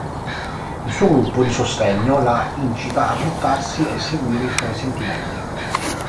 Il suo gruppo di sostegno la incita a buttarsi e seguire i suoi sentimenti.